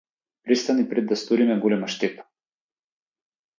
Престани пред да сториме голема штета.